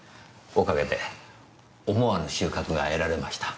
おかげで思わぬ収穫が得られました。